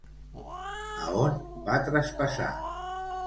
A on va traspassar?